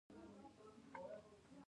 نښتر ولې ملي ونه ده؟